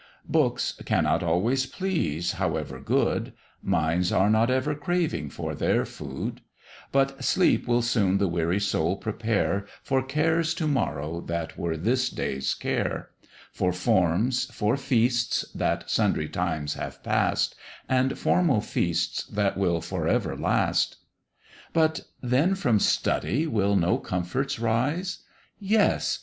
Books cannot always please, however good; Minds are not ever craving for their food; But sleep will soon the weary soul prepare For cares to morrow that were this day's care: For forms, for feasts, that sundry times have past, And formal feasts that will for ever last. "But then from Study will no comforts rise?" Yes!